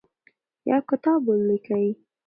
یو کتاب ولیکئ.